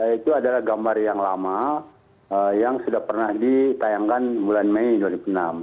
itu adalah gambar yang lama yang sudah pernah ditayangkan bulan mei dua ribu enam